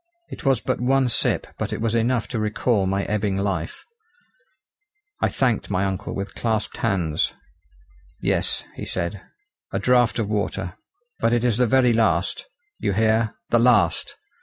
It was but one sip but it was enough to recall my ebbing life. I thanked my uncle with clasped hands. "Yes," he said, "a draught of water; but it is the very last you hear! the last.